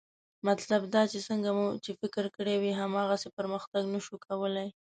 مطلب دا چې څنګه مو چې فکر کړی وي، هماغسې پرمختګ نه شو کولی